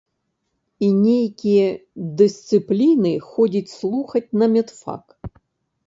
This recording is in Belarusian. І нейкія дысцыпліны ходзіць слухаць на медфак.